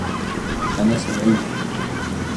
أنا سعيد.